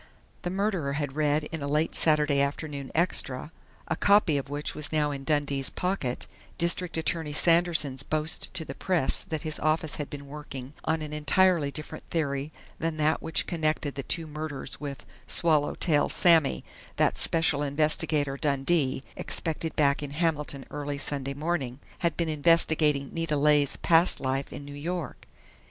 The murderer had read in a late Saturday afternoon extra a copy of which was now in Dundee's pocket District Attorney Sanderson's boast to the press that his office had been working on an entirely different theory than that which connected the two murders with "Swallow tail Sammy," that Special Investigator Dundee, expected back in Hamilton early Sunday morning, had been investigating Nita Leigh's past life in New York.